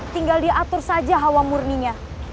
tinggal dia atur saja hawa murninya